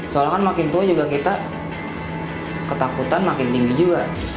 soalnya kan makin tua juga kita ketakutan makin tinggi juga